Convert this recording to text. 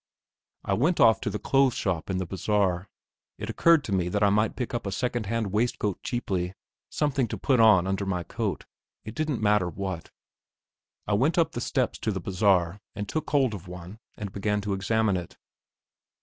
I went off to the clothes shop in the bazaar. It occurred to me that I might pick up a second hand waistcoat cheaply, something to put on under my coat; it didn't matter what. I went up the steps to the bazaar and took hold of one and began to examine it.